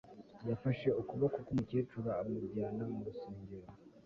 Yafashe ukuboko kumukecuru amujyana mu rusengero